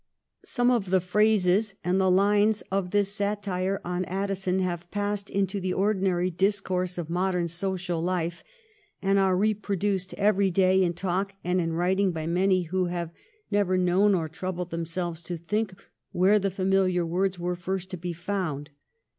Some of the phrases and the Hnes of this satire on Addison have passed into the ordinary discourse of modern social life, and are reproduced every day in talk and in writing by many who have never known or troubled themselves to think where the famihar words were first to be found.